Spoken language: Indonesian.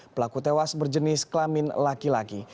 pelaku tewas berjenis kelamin laki laki